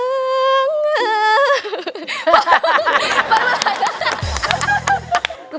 เอิงเอิง